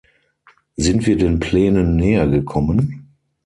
Sind wir den Plänen nähergekommen?